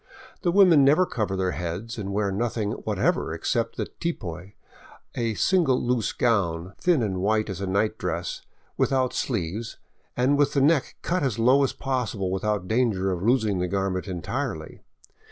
The women never cover their heads and wear nothing whatever except the tipoy, a single loose gown, thin and white as a night dress, without sleeves and with the neck cut as low as is possible without danger of losing the garment entirely.